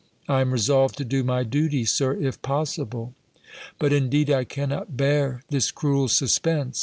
I am resolved to do my duty, Sir, if possible. But, indeed, I cannot bear this cruel suspense!